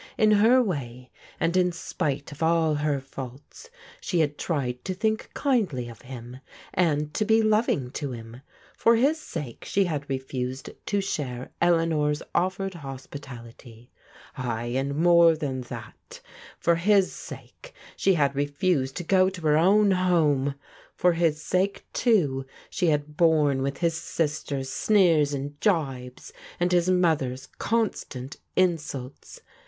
In her way, and in spite of all her faults, she had tried to think kindly of him, and to be loving to him. ¥oi Vivs «2ik^ ^^ W4 xeiuaed to PEGGY'S BETRAYAL 323 share Eleanor's offered hospitality. Ay, and more than that, for his sake she had refused to go to her own home. For his sake, too, she had borne with his sisters' sneers and jibes, and his mother's constant insults.